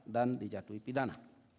dan dijatuhi pidana